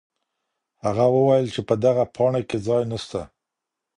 هغه وویل چي په دغه پاڼې کي ځای نسته.